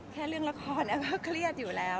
แค่เรื่องละครแอฟก็เครียดอยู่แล้ว